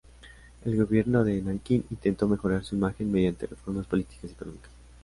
El gobierno de Nankín intentó mejorar su imagen mediante reformas políticas y económicas.